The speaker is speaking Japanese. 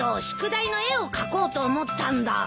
宿題の絵を描こうと思ったんだ。